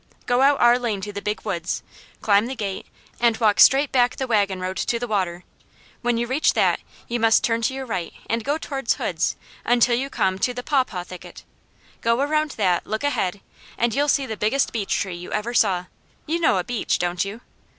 Go out our lane to the Big Woods, climb the gate and walk straight back the wagon road to the water. When you reach that, you must turn to your right and go toward Hoods' until you come to the pawpaw thicket. Go around that, look ahead, and you'll see the biggest beech tree you ever saw. You know a beech, don't you?"